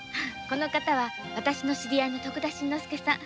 この方は知り合いの徳田新之助さん。